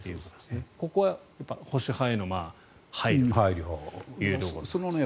ここは保守派への配慮というところですね。